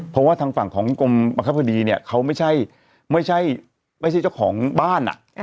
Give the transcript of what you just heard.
เพราะว่าทางฝั่งของกรมบังคับคดีเนี่ยเขาไม่ใช่เจ้าของบ้าน